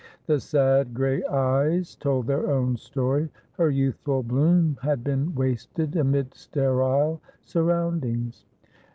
The sad grey eyes told their own story: her youthful bloom had been wasted amid sterile surroundings.